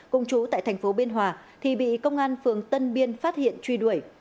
cùng chú tại thành phố biên hòa thì bị công an phường tân biên phát hiện truy đuổi